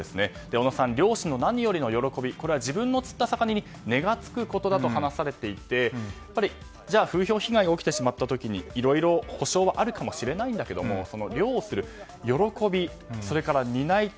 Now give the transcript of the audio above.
小野さん、漁師の何よりの喜びは自分の釣った魚に値が付くことだと話されていてじゃあ、風評被害が起きた時にいろいろ補償はあるかもしれないけど、漁をする喜びそれから、担い手。